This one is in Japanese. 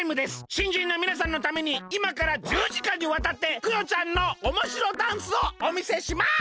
しんじんのみなさんのためにいまから１０時間にわたってクヨちゃんのおもしろダンスをおみせします！